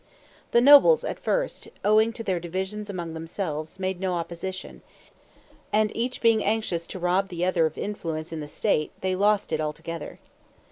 The nobles at first, owing to their divisions among themselves, made no opposition; and each being anxious to rob the other of influence in the state, they lost it altogether.